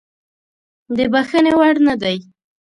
د بخښنې وړ نه دی.